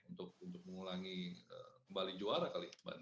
untuk mengulangi kembali juara kali ya mbak d